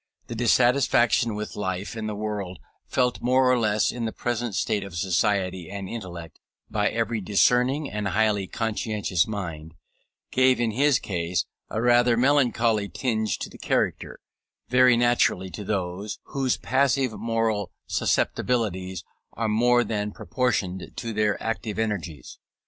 The dissatisfaction with life and the world, felt more or less in the present state of society and intellect by every discerning and highly conscientious mind, gave in his case a rather melancholy tinge to the character, very natural to those whose passive moral susceptibilities are more than proportioned to their active energies.